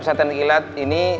pesantren kilat ini